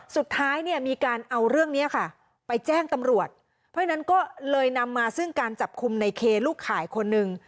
สุดท้ายเนี่ยมีการเอาเรื่องนี้ค่ะไปแจ้งตำรวจเพราะฉะนั้นก็เลยนำมาซึ่งการจับกลุ่มในเคลูกขายคนหนึ่ง